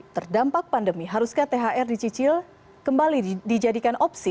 terdampak pandemi haruskah thr dicicil kembali dijadikan opsi